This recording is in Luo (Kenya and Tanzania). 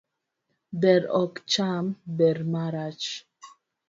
Ber ok cham ber marach